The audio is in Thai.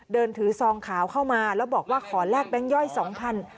เดินถือซองขาวเข้ามาแล้วบอกว่าขอแลกแบงค์ย่อยสองพัน